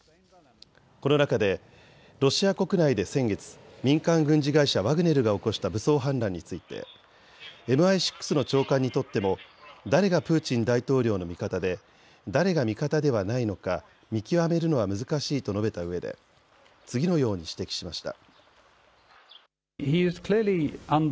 この中でロシア国内で先月、民間軍事会社、ワグネルが起こした武装反乱についてＭＩ６の長官にとっても誰がプーチン大統領の味方で誰が味方ではないのか見極めるのは難しいと述べたうえで次のように指摘しました。